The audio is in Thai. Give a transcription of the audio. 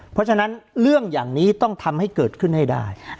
เพราะฉะนั้นเรื่องอย่างนี้ต้องทำให้เกิดขึ้นให้ได้